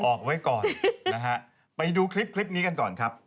ออกไว้ก่อนนะฮะไปดูคลิปคลิปนี้กันก่อนครับ